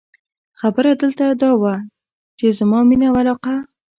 خبره دلته دا وه، چې زما مینه او علاقه.